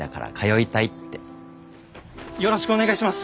よろしくお願いします！